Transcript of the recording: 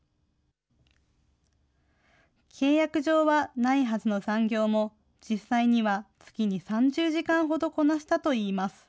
契約上はないはずの残業も、実際には月に３０時間ほどこなしたといいます。